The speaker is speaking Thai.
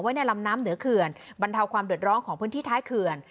ในลำน้ำเหนือเขื่อนบรรเทาความเดือดร้อนของพื้นที่ท้ายเขื่อน